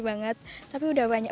banget tapi udah banyak